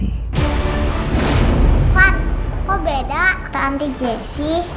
irfan kok beda kota anti jessy sama ini rumah